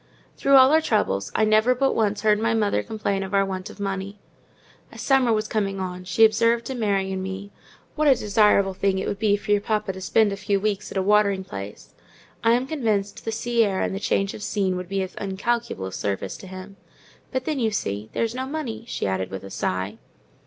Through all our troubles, I never but once heard my mother complain of our want of money. As summer was coming on she observed to Mary and me, "What a desirable thing it would be for your papa to spend a few weeks at a watering place. I am convinced the sea air and the change of scene would be of incalculable service to him. But then, you see, there's no money," she added, with a sigh.